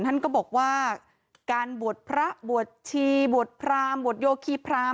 ท่านก็บอกว่าการบวชพระบวชชีบวชพรามบวชโยคีพราม